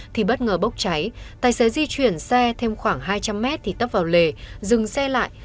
thì bất ngờ bốc cháy tài xế di chuyển xe thêm khoảng hai trăm linh mét thì tấp vào lề dừng xe lại